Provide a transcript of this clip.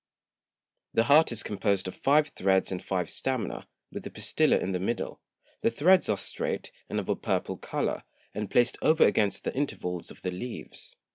The Heart is composed of five Threads and five Stamina, with the Pistilla in the middle. The Threads are strait, and of a purple Colour, and placed over against the Intervals of the Leaves.